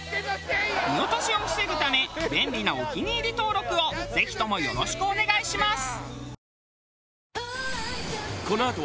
見落としを防ぐため便利なお気に入り登録をぜひともよろしくお願いします。